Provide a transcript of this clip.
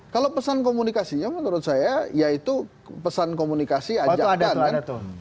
kalau pesan komunikasinya menurut saya yaitu pesan komunikasi ajakkan